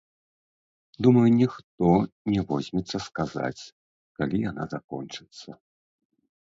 Думаю, ніхто не возьмецца сказаць, калі яна закончыцца.